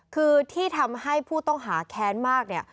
คือที่ทำให้ผู้ต้องหาแค้นมากเนี่ย